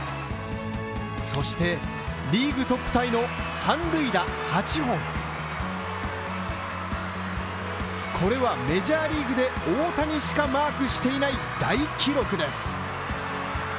そして、リーグトップタイの３塁打８本これはメジャーリーグで大谷しかマークしていない大記録です。